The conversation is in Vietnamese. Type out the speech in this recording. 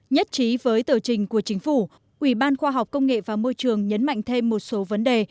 nhất trí với tờ trình của chính phủ ủy ban khoa học công nghệ và môi trường nhấn mạnh thêm một số vấn đề